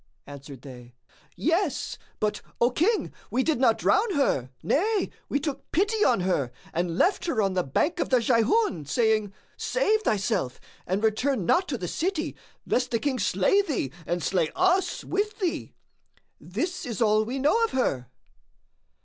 Answered they, "Yes; but, O King, we did not drown her, nay we took pity on her and left her on the banks of the Jayhun, saying,—Save thyself and return not to the city, lest the King slay thee and slay us with thee. This is all we know of her."